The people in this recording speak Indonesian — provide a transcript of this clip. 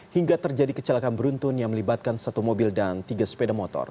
hingga terjadi kecelakaan beruntun yang melibatkan satu mobil dan tiga sepeda motor